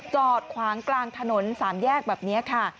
จอดขวางกลางถนน๓แยกแบบนี้ค่ะ